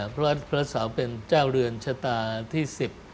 เพราะว่าพระเสาเป็นเจ้าเรือนชะตาที่๑๐